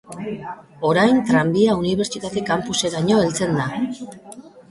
Orain tranbia unibertsitate-campuseraino heltzen da.